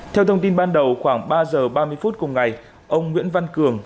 theo thông tin ban đầu khoảng ba giờ ba mươi phút cùng ngày ông nguyễn văn cường